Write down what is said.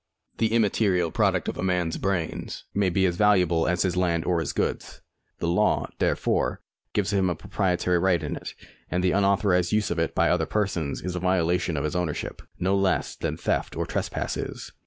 The immaterial product of a man's brains may be as valuable as his land or his goods. The law, therefore, gives him a proprietary right in it, and the unauthorised use of it by other persons is a violation of his ownership, no less than theft or trespass is.